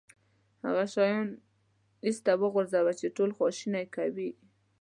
هغه شیان ایسته وغورځوه چې تاسو خواشینی کوي.